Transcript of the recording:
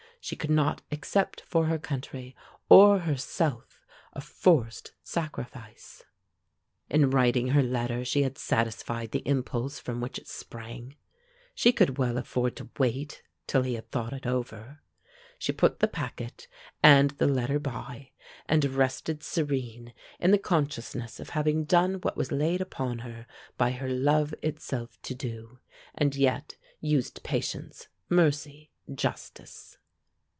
She could not accept for her country or herself a forced sacrifice. In writing her letter she had satisfied the impulse from which it sprang; she could well afford to wait till he had thought it over. She put the packet and the letter by, and rested serene in the consciousness of having done what was laid upon her by her love itself to do, and yet used patience, mercy, justice.